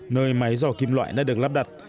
nơi máy dò kim loại đã được lắp đặt